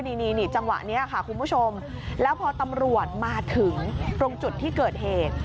นี่จังหวะนี้ค่ะคุณผู้ชมแล้วพอตำรวจมาถึงตรงจุดที่เกิดเหตุ